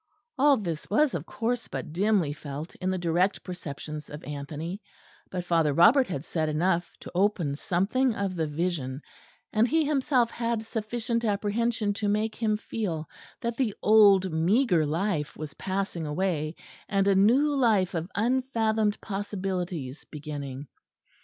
All this was of course but dimly felt in the direct perceptions of Anthony; but Father Robert had said enough to open something of the vision, and he himself had sufficient apprehension to make him feel that the old meagre life was passing away, and a new life of unfathomed possibilities beginning.